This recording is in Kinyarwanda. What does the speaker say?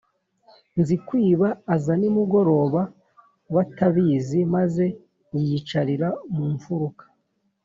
Nzikwiba aza nimugoroba batabizi, maze yiyicarira mu mfuruka